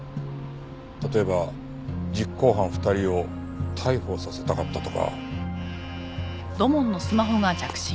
例えば実行犯２人を逮捕させたかったとか。